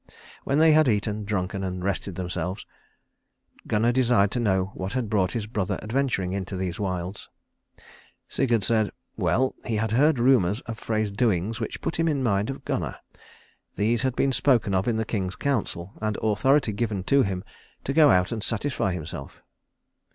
When they had eaten, drunken and rested themselves, Gunnar desired to know what had brought his brother adventuring into these wilds. Sigurd said, Well! he had heard rumours of Frey's doings which put him in mind of Gunnar. These had been spoken of in the king's council, and authority given to him to go out and satisfy himself.